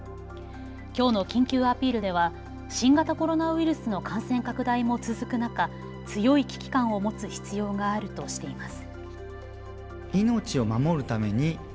きょうの緊急アピールでは新型コロナウイルスの感染拡大も続く中、強い危機感を持つ必要があるとしています。